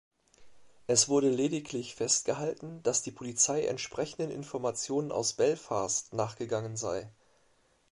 Es wurde lediglich festgehalten, dass die Polizei entsprechenden „Informationen aus Belfast“ nachgegangen sei.